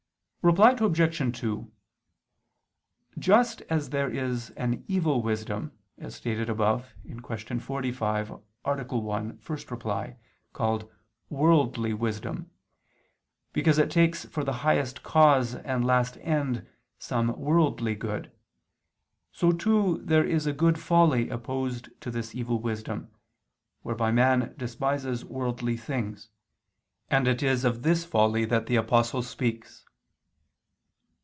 Reply Obj. 2: Just as there is an evil wisdom, as stated above (Q. 45, A. 1, ad 1), called "worldly wisdom," because it takes for the highest cause and last end some worldly good, so too there is a good folly opposed to this evil wisdom, whereby man despises worldly things: and it is of this folly that the Apostle speaks.